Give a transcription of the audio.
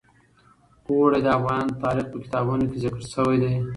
اوړي د افغان تاریخ په کتابونو کې ذکر شوی دي.